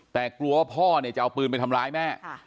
แต่กลัวว่าพ่อเนี่ยจะเอาปืนไปทำร้ายแม่